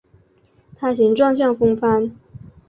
它形状像风帆。